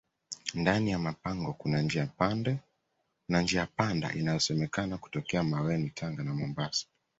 ndani ya mapango Kuna njia panda inayosemekana kutokea maweni tanga na mombasa